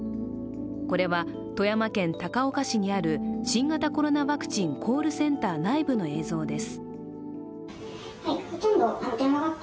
これは、富山県高岡市にある新型コロナワクチンコールセンター内部の映像です。